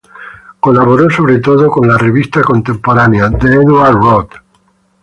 Colaboró sobre todo a "La Revista contemporánea" de Édouard Rod.